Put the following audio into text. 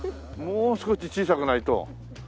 もう少し小さくないと。